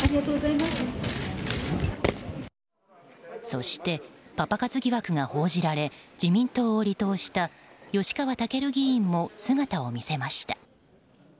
そして、パパ活疑惑が報じられ自民党を離党した吉川赳議員も姿を見せました。